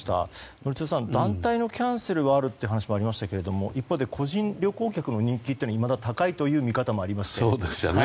宜嗣さん、団体のキャンセルがあるという話はありましたが一方で個人旅行客の人気はいまだ高いという見方もありますね。